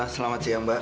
selamat siang mbak